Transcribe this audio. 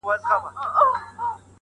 دردونه ژبه نه لري چي خلک وژړوم٫